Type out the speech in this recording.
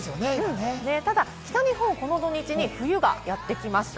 ただ北日本はこの土日に冬がやってきました。